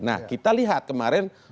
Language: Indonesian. nah kita lihat kemarin